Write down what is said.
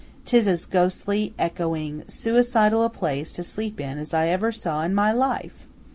'Tis as ghostly, echoing, suicidal a place to sleep in as ever I saw in my life!